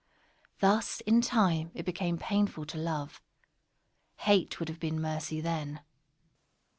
Thus, in time, it became painful to love. Hate would have been mercy then. _Monos.